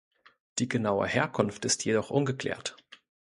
Die genaue Herkunft ist jedoch ungeklärt.